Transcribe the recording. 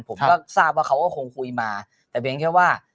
ผมก็ทราบว่าเขาก็คงคุยมาแต่เพียงแค่ว่า